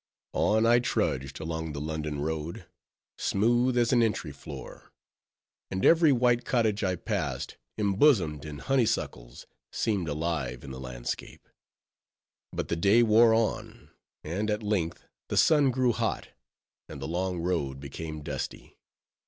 On I trudged along the London road—smooth as an entry floor—and every white cottage I passed, embosomed in honeysuckles, seemed alive in the landscape. But the day wore on; and at length the sun grew hot; and the long road became dusty.